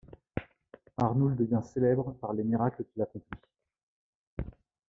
Arnoul devient célèbre par les miracles qu'il accomplit.